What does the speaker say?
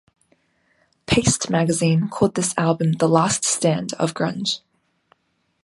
"Paste" magazine called this album the "last stand" of grunge.